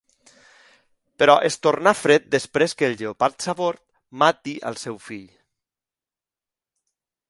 Però es torna fred després que el lleopard Sabor mati al seu fill.